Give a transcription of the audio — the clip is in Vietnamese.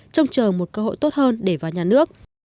trông chờ một cơ hội tốt hơn để vào nhà nước